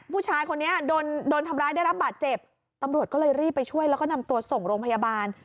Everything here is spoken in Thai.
ผู้ชายคนนี้โดนโดนทำร้ายได้รับบาดเจ็บตำรวจก็เลยรีบไปช่วยแล้วก็นำตัวส่งโรงพยาบาล